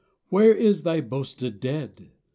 where is thy boasted Dead ?